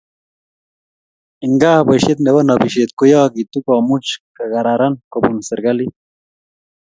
ingaa boishet nebo nobishet koyaagitu komuch kegararan kobuns serikalit